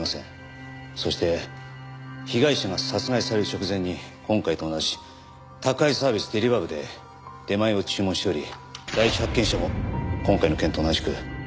そして被害者が殺害される直前に今回と同じ宅配サービスデリバー部で出前を注文しており第一発見者も今回の件と同じく配達員でした。